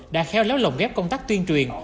đã khéo léo lồng ghép công tác tuyên truyền